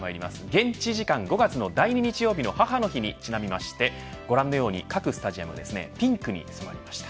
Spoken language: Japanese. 現地時間５月の第２日曜日の母の日にちなみましてご覧のように各スタジアムピンクに染まりました。